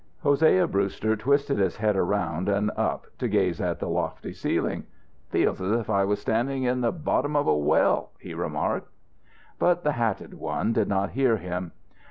Hosea Brewster twisted his head around and up to gaze at the lofty ceiling. "Feel's if I was standing at the bottom of a well," he remarked. But the hatted one did not hear him.